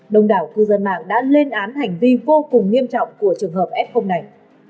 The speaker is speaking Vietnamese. đông đảo cư dân mạng đã lên án hành vi vô cùng nghiêm trọng của trường hợp f này